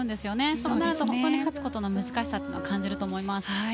そうなると勝つことの難しさを感じると思います。